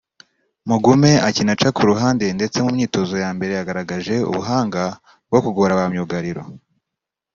Mugume akina aca ku ruhande ndetse mu myitozo ya mbere yagaragaje ubuhanga bwo kugora ba myugariro